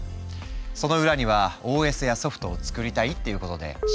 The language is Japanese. その裏にはＯＳやソフトを作りたいっていうことで「Ｃ言語」が。